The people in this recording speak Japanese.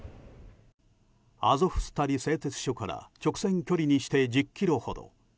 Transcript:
アゾフスタリ製鉄所から直線距離にして１０ｋｍほど。